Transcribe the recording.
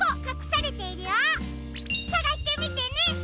さがしてみてね！